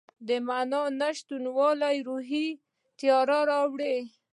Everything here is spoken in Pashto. د معنی نشتوالی روحي تیاره راولي.